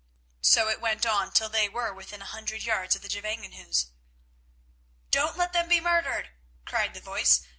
So it went on till they were within a hundred yards of the Gevangenhuis. "Don't let them be murdered," cried the voice.